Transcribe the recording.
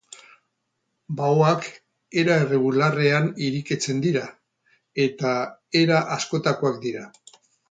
Baoak era irregularrean irekitzen dira, eta era askotakoak dira.